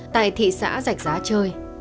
tại thị xã dạch giá chơi